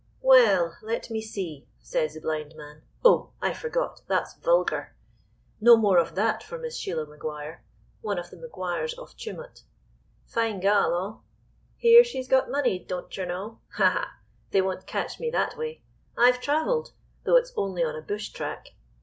"Well, 'let me see!' says the blind man—oh! I forgot; that's vulgar—no more of that for Miss Sheila Maguire—one of the Maguires of Tumut. 'Fine gal, aw. Hear she's got money, don't yer know?' Ha! ha! they won't catch me that way. 'I've travelled,' though it's only on a bush track.